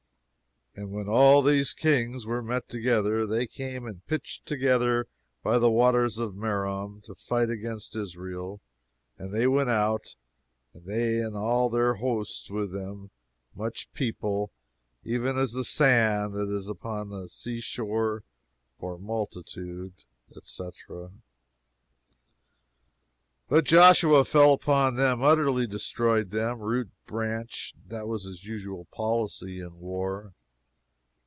"And when all these Kings were met together, they came and pitched together by the Waters of Merom, to fight against Israel. And they went out, they and all their hosts with them, much people, even as the sand that is upon the sea shore for multitude," etc. But Joshua fell upon them and utterly destroyed them, root and branch. That was his usual policy in war.